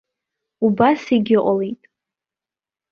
Убас егьыҟалеит.